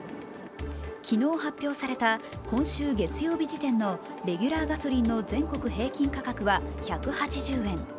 昨日発表された今週月曜日時点のレギュラーガソリンの全国平均価格は１８０円。